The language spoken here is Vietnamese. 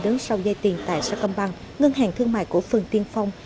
đứng sau dây tiền tại sà công băng ngân hàng thương mại của phường tiên phong